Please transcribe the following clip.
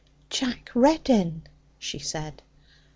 'Jack Reddin!' she said.